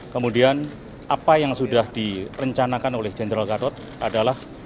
kemudian apa yang sudah direncanakan oleh general gatot adalah